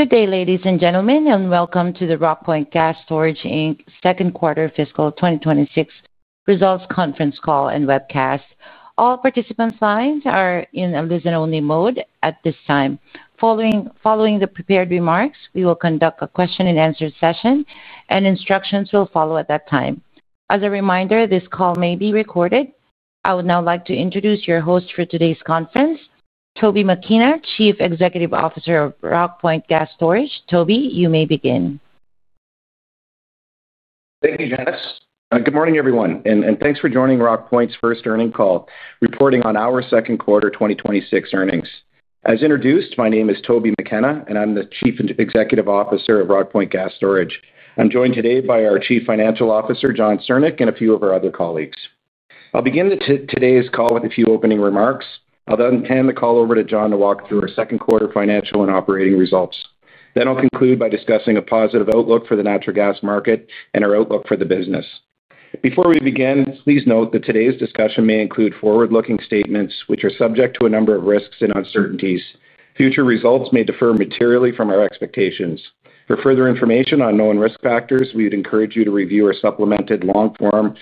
Good day, ladies and gentlemen, and welcome to the Rockpoint Gas Storage Inc. second quarter fiscal 2026 results conference call and webcast. All participants' lines are in a listen-only mode at this time. Following the prepared remarks, we will conduct a question-and-answer session, and instructions will follow at that time. As a reminder, this call may be recorded. I would now like to introduce your host for today's conference, Toby McKenna, Chief Executive Officer of Rockpoint Gas Storage. Toby, you may begin. Thank you, Janice. Good morning, everyone, and thanks for joining Rockpoint's first earnings call, reporting on our second quarter 2026 earnings. As introduced, my name is Toby McKenna, and I'm the Chief Executive Officer of Rockpoint Gas Storage. I'm joined today by our Chief Financial Officer, Jon Syrnyk, and a few of our other colleagues. I'll begin today's call with a few opening remarks. I'll then hand the call over to Jon to walk through our second quarter financial and operating results. I will conclude by discussing a positive outlook for the natural gas market and our outlook for the business. Before we begin, please note that today's discussion may include forward-looking statements, which are subject to a number of risks and uncertainties. Future results may differ materially from our expectations. For further information on known risk factors, we would encourage you to review our supplemented long-form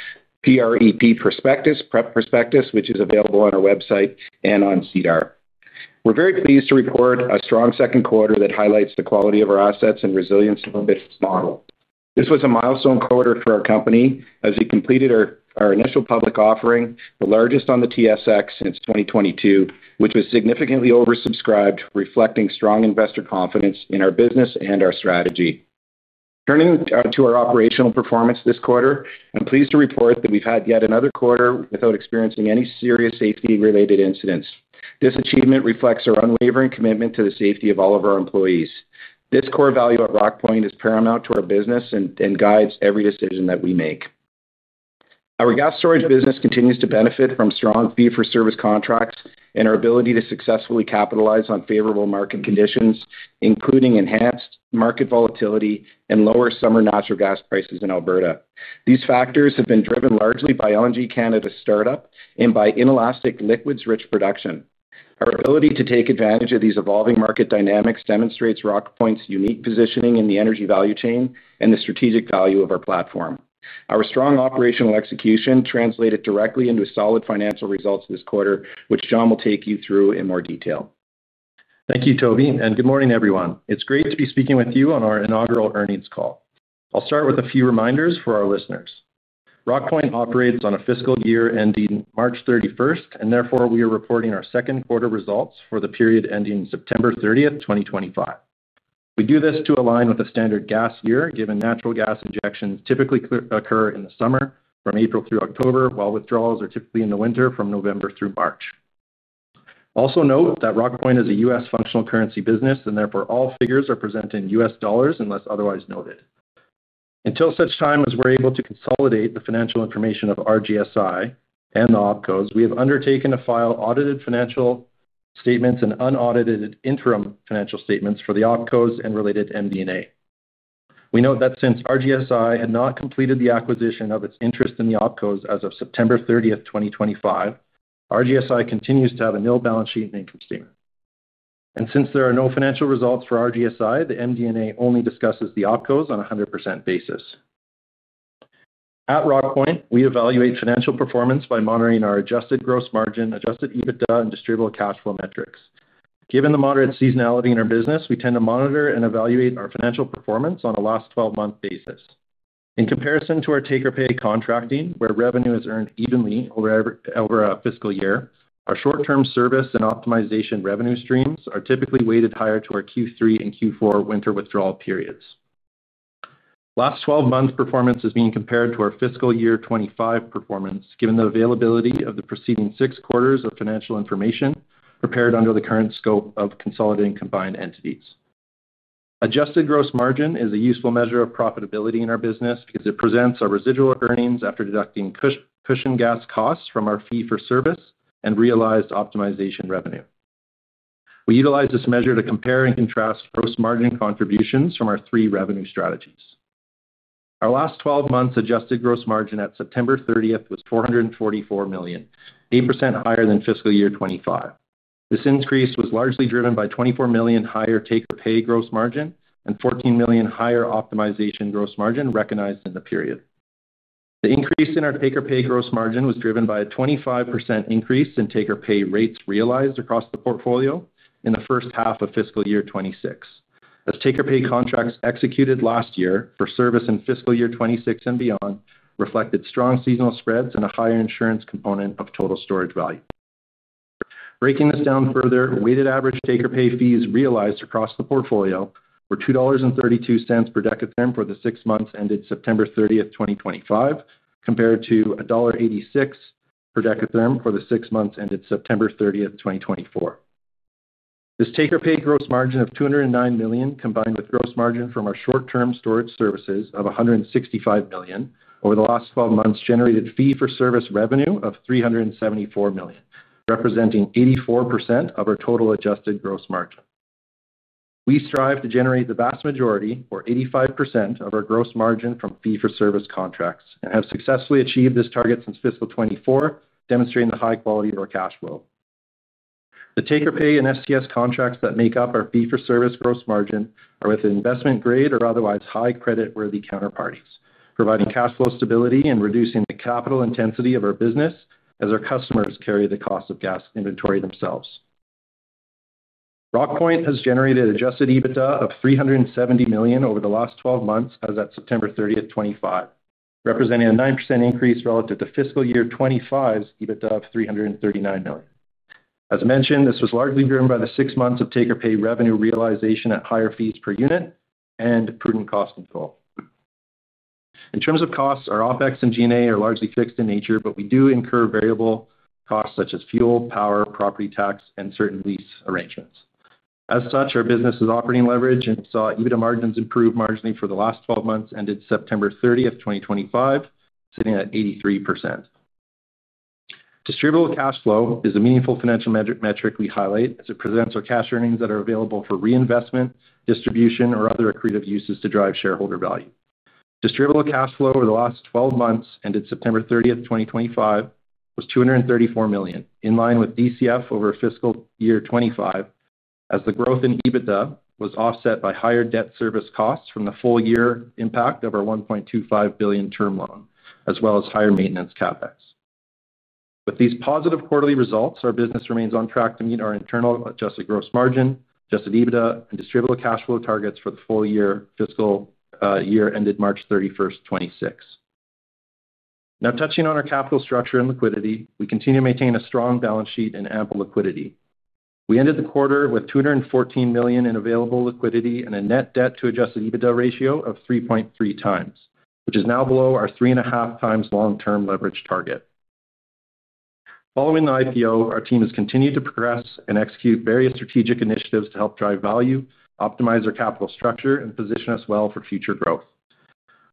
PREP prospectus, which is available on our website and on SEDAR. We're very pleased to report a strong second quarter that highlights the quality of our assets and resilience of our business model. This was a milestone quarter for our company as we completed our initial public offering, the largest on the TSX since 2022, which was significantly oversubscribed, reflecting strong investor confidence in our business and our strategy. Turning to our operational performance this quarter, I'm pleased to report that we've had yet another quarter without experiencing any serious safety-related incidents. This achievement reflects our unwavering commitment to the safety of all of our employees. This core value at Rockpoint is paramount to our business and guides every decision that we make. Our gas storage business continues to benefit from strong fee-for-service contracts and our ability to successfully capitalize on favorable market conditions, including enhanced market volatility and lower summer natural gas prices in Alberta. These factors have been driven largely by LNG Canada's startup and by inelastic liquids-rich production. Our ability to take advantage of these evolving market dynamics demonstrates Rockpoint's unique positioning in the energy value chain and the strategic value of our platform. Our strong operational execution translated directly into solid financial results this quarter, which Jon will take you through in more detail. Thank you, Toby, and good morning, everyone. It's great to be speaking with you on our inaugural earnings call. I'll start with a few reminders for our listeners. Rockpoint operates on a fiscal year ending March 31st, and therefore we are reporting our second quarter results for the period ending September 30th, 2025. We do this to align with a standard gas year, given natural gas injections typically occur in the summer from April through October, while withdrawals are typically in the winter from November through March. Also note that Rockpoint is a U.S. functional currency business, and therefore all figures are presented in U.S. dollars unless otherwise noted. Until such time as we're able to consolidate the financial information of RGSI and the OpCos, we have undertaken to file audited financial statements and unaudited interim financial statements for the OpCos and related MD&A. We note that since RGSI had not completed the acquisition of its interest in the OpCos as of September 30th, 2025, RGSI continues to have a nil balance sheet and income statement. Since there are no financial results for RGSI, the MD&A only discusses the OpCos on a 100% basis. At Rockpoint, we evaluate financial performance by monitoring our adjusted gross margin, adjusted EBITDA, and distributable cash flow metrics. Given the moderate seasonality in our business, we tend to monitor and evaluate our financial performance on a last 12-month basis. In comparison to our take-or-pay contracting, where revenue is earned evenly over a fiscal year, our short-term service and optimization revenue streams are typically weighted higher to our Q3 and Q4 winter withdrawal periods. Last 12 months' performance is being compared to our fiscal year 2025 performance, given the availability of the preceding six quarters of financial information prepared under the current scope of consolidating combined entities. Adjusted gross margin is a useful measure of profitability in our business because it presents our residual earnings after deducting cushion gas costs from our fee-for-service and realized optimization revenue. We utilize this measure to compare and contrast gross margin contributions from our three revenue strategies. Our last 12 months' adjusted gross margin at September 30th was $444 million, 8% higher than fiscal year 2025. This increase was largely driven by $24 million higher take-or-pay gross margin and $14 million higher optimization gross margin recognized in the period. The increase in our take-or-pay gross margin was driven by a 25% increase in take-or-pay rates realized across the portfolio in the first half of fiscal year 2026, as take-or-pay contracts executed last year for service in fiscal year 2026 and beyond reflected strong seasonal spreads and a higher insurance component of total storage value. Breaking this down further, weighted average take-or-pay fees realized across the portfolio were $2.32 per decatherm for the six months ended September 30th, 2025, compared to $1.86 per decatherm for the six months ended September 30th, 2024. This take-or-pay gross margin of $209 million, combined with gross margin from our short-term storage services of $165 million over the last 12 months, generated fee-for-service revenue of $374 million, representing 84% of our total adjusted gross margin. We strive to generate the vast majority, or 85%, of our gross margin from fee-for-service contracts and have successfully achieved this target since fiscal 2024, demonstrating the high quality of our cash flow. The take-or-pay and SGS contracts that make up our fee-for-service gross margin are with investment-grade or otherwise high credit-worthy counterparties, providing cash flow stability and reducing the capital intensity of our business as our customers carry the cost of gas inventory themselves. Rockpoint has generated adjusted EBITDA of $370 million over the last 12 months as of September 30th, 2025, representing a 9% increase relative to fiscal year 2025's EBITDA of $339 million. As mentioned, this was largely driven by the six months of take-or-pay revenue realization at higher fees per unit and prudent cost control. In terms of costs, our OpEx and G&A are largely fixed in nature, but we do incur variable costs such as fuel, power, property tax, and certain lease arrangements. As such, our business is operating leverage and saw EBITDA margins improve marginally for the last 12 months ended September 30th, 2025, sitting at 83%. Distributable cash flow is a meaningful financial metric we highlight as it presents our cash earnings that are available for reinvestment, distribution, or other accretive uses to drive shareholder value. Distributable cash flow over the last 12 months ended September 30th, 2025, was $234 million, in line with DCF over fiscal year 2025, as the growth in EBITDA was offset by higher debt service costs from the full-year impact of our $1.25 billion term loan, as well as higher maintenance CapEx. With these positive quarterly results, our business remains on track to meet our internal adjusted gross margin, adjusted EBITDA, and distributable cash flow targets for the full-year fiscal year ended March 31st, 2026. Now, touching on our capital structure and liquidity, we continue to maintain a strong balance sheet and ample liquidity. We ended the quarter with $214 million in available liquidity and a net debt-to-adjusted EBITDA ratio of 3.3x, which is now below our 3.5x long-term leverage target. Following the IPO, our team has continued to progress and execute various strategic initiatives to help drive value, optimize our capital structure, and position us well for future growth.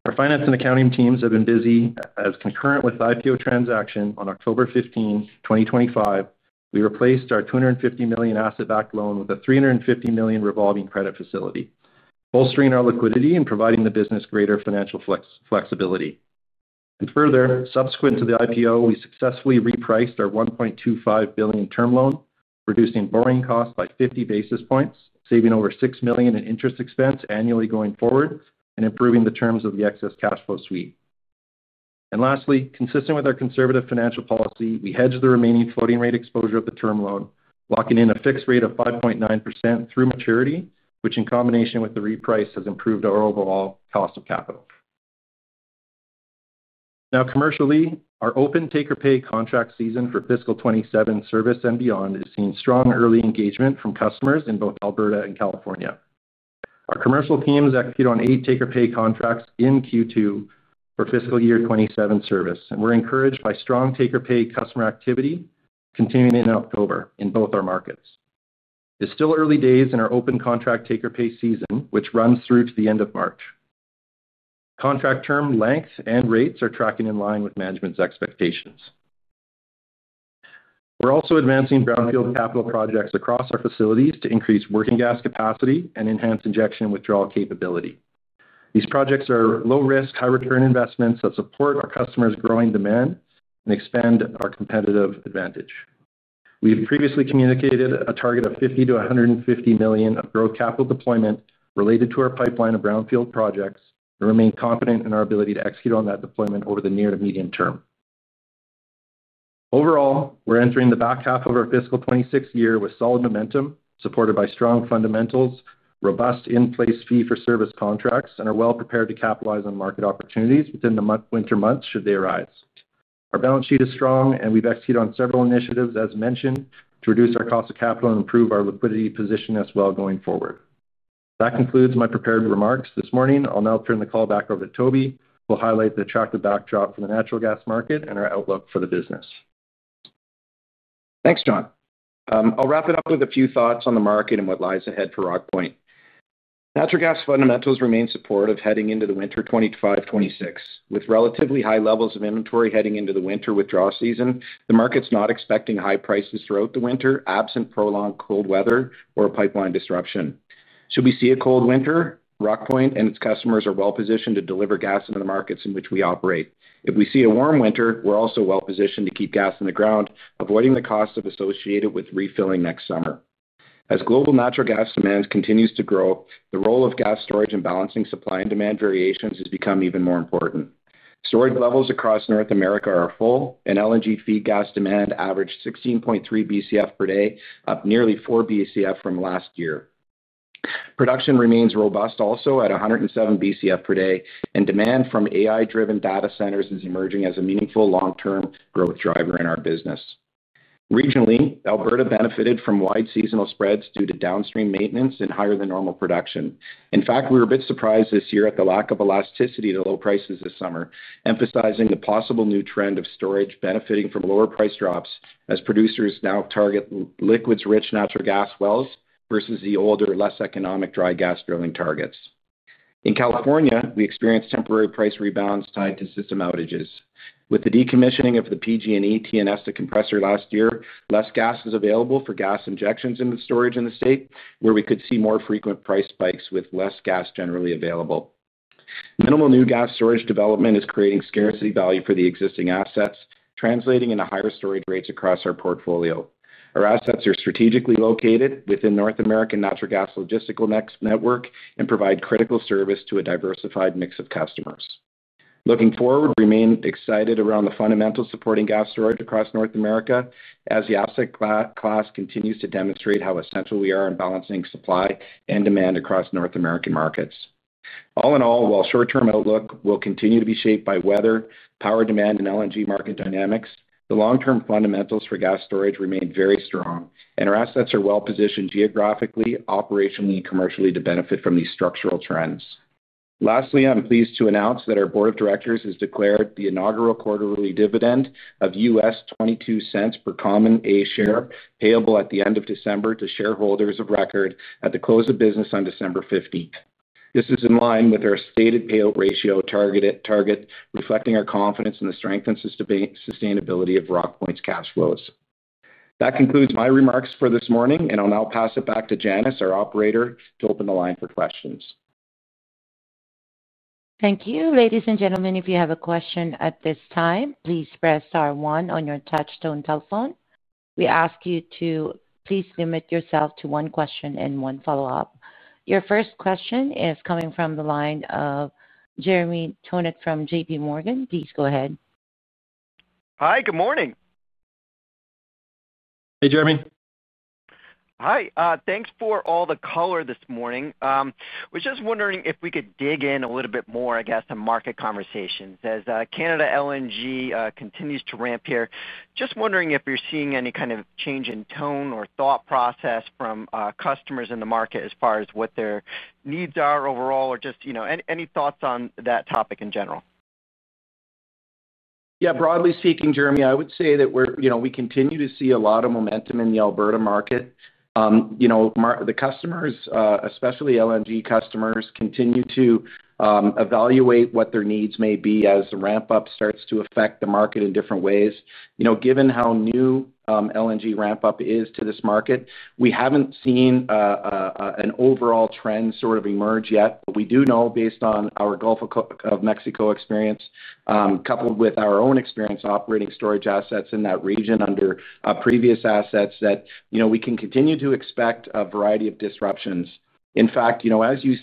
Our finance and accounting teams have been busy. As concurrent with the IPO transaction on October 15th, 2025, we replaced our $250 million asset-backed loan with a $350 million revolving credit facility, bolstering our liquidity and providing the business greater financial flexibility. Further, subsequent to the IPO, we successfully repriced our $1.25 billion term loan, reducing borrowing costs by 50 basis points, saving over $6 million in interest expense annually going forward, and improving the terms of the excess cash flow suite. Lastly, consistent with our conservative financial policy, we hedged the remaining floating rate exposure of the term loan, locking in a fixed rate of 5.9% through maturity, which in combination with the reprice has improved our overall cost of capital. Commercially, our open take-or-pay contract season for fiscal 2027 service and beyond is seeing strong early engagement from customers in both Alberta and California. Our commercial teams executed on eight take-or-pay contracts in Q2 for fiscal year 2027 service, and we're encouraged by strong take-or-pay customer activity continuing in October in both our markets. It is still early days in our open contract take-or-pay season, which runs through to the end of March. Contract term length and rates are tracking in line with management's expectations. We are also advancing brownfield capital projects across our facilities to increase working gas capacity and enhance injection and withdrawal capability. These projects are low-risk, high-return investments that support our customers' growing demand and expand our competitive advantage. We have previously communicated a target of $50 million-$150 million of growth capital deployment related to our pipeline of brownfield projects and remain confident in our ability to execute on that deployment over the near to medium term. Overall, we're entering the back half of our fiscal 2026 year with solid momentum supported by strong fundamentals, robust in-place fee-for-service contracts, and are well prepared to capitalize on market opportunities within the winter months should they arise. Our balance sheet is strong, and we've executed on several initiatives, as mentioned, to reduce our cost of capital and improve our liquidity position as well going forward. That concludes my prepared remarks this morning. I'll now turn the call back over to Toby, who will highlight the attractive backdrop for the natural gas market and our outlook for the business. Thanks, Jon. I'll wrap it up with a few thoughts on the market and what lies ahead for Rockpoint. Natural gas fundamentals remain supportive heading into the winter 2025-2026. With relatively high levels of inventory heading into the winter withdrawal season, the market's not expecting high prices throughout the winter, absent prolonged cold weather or pipeline disruption. Should we see a cold winter, Rockpoint and its customers are well positioned to deliver gas into the markets in which we operate. If we see a warm winter, we're also well positioned to keep gas in the ground, avoiding the costs associated with refilling next summer. As global natural gas demand continues to grow, the role of gas storage in balancing supply and demand variations has become even more important. Storage levels across North America are full, and LNG feed gas demand averaged 16.3 BCF per day, up nearly 4 BCF from last year. Production remains robust also at 107 BCF per day, and demand from AI-driven data centers is emerging as a meaningful long-term growth driver in our business. Regionally, Alberta benefited from wide seasonal spreads due to downstream maintenance and higher-than-normal production. In fact, we were a bit surprised this year at the lack of elasticity to low prices this summer, emphasizing the possible new trend of storage benefiting from lower price drops as producers now target liquids-rich natural gas wells versus the older, less economic dry gas drilling targets. In California, we experienced temporary price rebounds tied to system outages. With the decommissioning of the PG&E T&S to compressor last year, less gas is available for gas injections into storage in the state, where we could see more frequent price spikes with less gas generally available. Minimal new gas storage development is creating scarcity value for the existing assets, translating into higher storage rates across our portfolio. Our assets are strategically located within North American natural gas logistical network and provide critical service to a diversified mix of customers. Looking forward, we remain excited around the fundamental supporting gas storage across North America as the asset class continues to demonstrate how essential we are in balancing supply and demand across North American markets. All in all, while short-term outlook will continue to be shaped by weather, power demand, and LNG market dynamics, the long-term fundamentals for gas storage remain very strong, and our assets are well positioned geographically, operationally, and commercially to benefit from these structural trends. Lastly, I'm pleased to announce that our Board of Directors has declared the inaugural quarterly dividend of $0.22 per common A share payable at the end of December to shareholders of record at the close of business on December 15th. This is in line with our stated payout ratio target, reflecting our confidence in the strength and sustainability of Rockpoint's cash flows. That concludes my remarks for this morning, and I'll now pass it back to Janice, our operator, to open the line for questions. Thank you. Ladies and gentlemen, if you have a question at this time, please press star one on your touchstone telephone. We ask you to please limit yourself to one question and one follow-up. Your first question is coming from the line of Jeremy Tonet from JPMorgan. Please go ahead. Hi. Good morning. Hey, Jeremy. Hi. Thanks for all the color this morning. We're just wondering if we could dig in a little bit more, I guess, to market conversations. As Canada LNG continues to ramp here, just wondering if you're seeing any kind of change in tone or thought process from customers in the market as far as what their needs are overall or just any thoughts on that topic in general. Yeah. Broadly speaking, Jeremy, I would say that we continue to see a lot of momentum in the Alberta market. The customers, especially LNG customers, continue to evaluate what their needs may be as the ramp-up starts to affect the market in different ways. Given how new LNG ramp-up is to this market, we haven't seen an overall trend sort of emerge yet, but we do know, based on our Gulf of Mexico experience, coupled with our own experience operating storage assets in that region under previous assets, that we can continue to expect a variety of disruptions. In fact, as you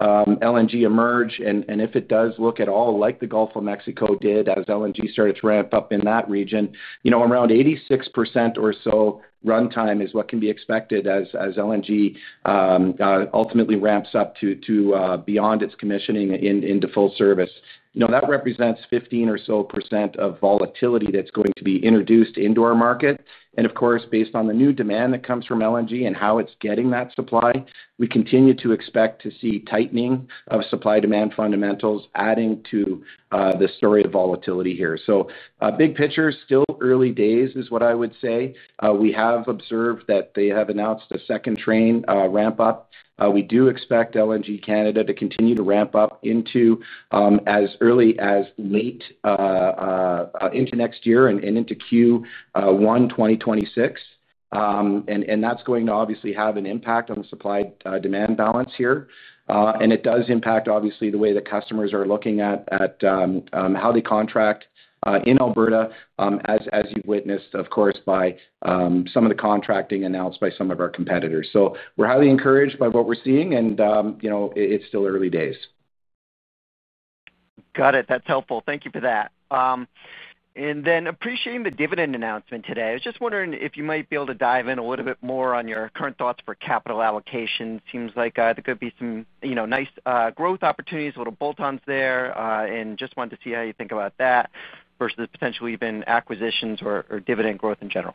see LNG emerge, and if it does look at all like the Gulf of Mexico did as LNG started to ramp up in that region, around 86% or so runtime is what can be expected as LNG ultimately ramps up to beyond its commissioning into full service. That represents 15% or so of volatility that's going to be introduced into our market. Of course, based on the new demand that comes from LNG and how it's getting that supply, we continue to expect to see tightening of supply-demand fundamentals adding to the story of volatility here. Big picture, still early days is what I would say. We have observed that they have announced a second train ramp-up. We do expect LNG Canada to continue to ramp up into as early as late into next year and into Q1 2026. That is going to obviously have an impact on the supply-demand balance here. It does impact, obviously, the way that customers are looking at how they contract in Alberta, as you've witnessed, of course, by some of the contracting announced by some of our competitors. We are highly encouraged by what we're seeing, and it's still early days. Got it. That's helpful. Thank you for that. Appreciating the dividend announcement today. I was just wondering if you might be able to dive in a little bit more on your current thoughts for capital allocation. Seems like there could be some nice growth opportunities, little bolt-ons there, and just wanted to see how you think about that versus potentially even acquisitions or dividend growth in general.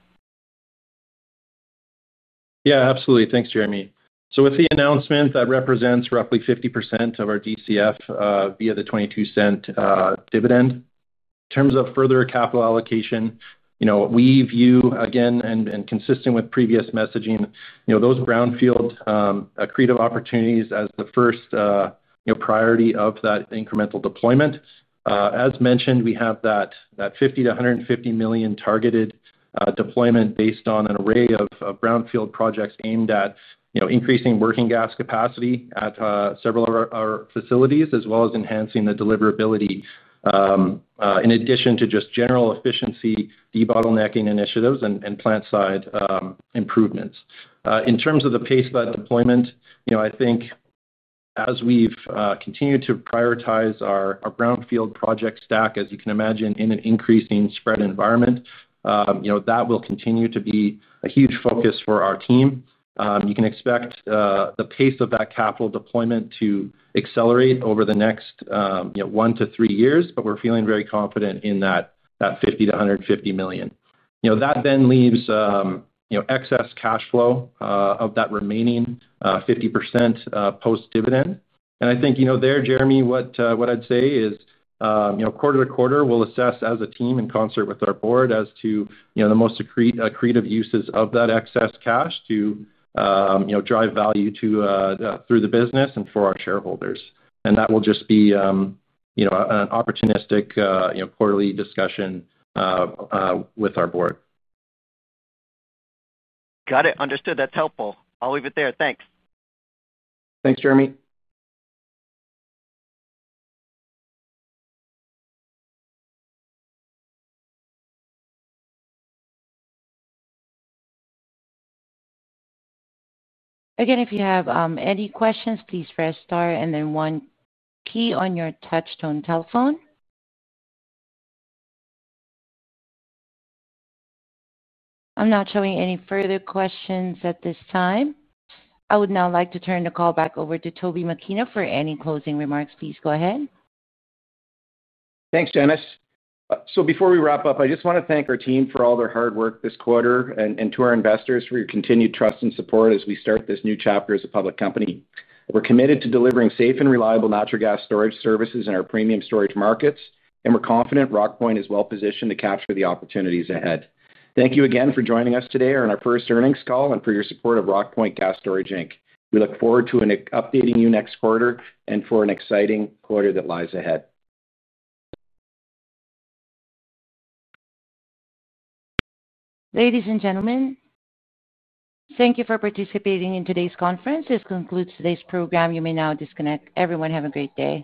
Yeah. Absolutely. Thanks, Jeremy. With the announcement, that represents roughly 50% of our DCF via the $0.22 dividend. In terms of further capital allocation, we view, again, and consistent with previous messaging, those brownfield accretive opportunities as the first priority of that incremental deployment. As mentioned, we have that $50 million-$150 million targeted deployment based on an array of brownfield projects aimed at increasing working gas capacity at several of our facilities, as well as enhancing the deliverability. In addition to just general efficiency debottlenecking initiatives and plant-side improvements. In terms of the pace of that deployment, I think as we've continued to prioritize our brownfield project stack, as you can imagine, in an increasing spread environment. That will continue to be a huge focus for our team. You can expect the pace of that capital deployment to accelerate over the next one to three years, but we're feeling very confident in that $50 million-$150 million. That then leaves excess cash flow of that remaining 50% post-dividend. I think there, Jeremy, what I'd say is quarter to quarter, we'll assess as a team in concert with our board as to the most accretive uses of that excess cash to drive value through the business and for our shareholders. That will just be an opportunistic quarterly discussion with our board. Got it. Understood. That's helpful. I'll leave it there. Thanks. Thanks, Jeremy. Again, if you have any questions, please press star and then one key on your touch-tone telephone. I'm not showing any further questions at this time. I would now like to turn the call back over to Toby McKenna for any closing remarks. Please go ahead. Thanks, Janice. Before we wrap up, I just want to thank our team for all their hard work this quarter and to our investors for your continued trust and support as we start this new chapter as a public company. We're committed to delivering safe and reliable natural gas storage services in our premium storage markets, and we're confident Rockpoint is well positioned to capture the opportunities ahead. Thank you again for joining us today on our first earnings call and for your support of Rockpoint Gas Storage Inc. We look forward to updating you next quarter and for an exciting quarter that lies ahead. Ladies and gentlemen, thank you for participating in today's conference. This concludes today's program. You may now disconnect. Everyone, have a great day.